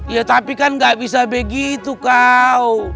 ya tapi kan gak bisa begitu kau